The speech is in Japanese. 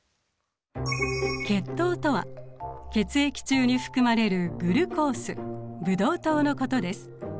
血糖とは血液中に含まれるグルコースブドウ糖のことです。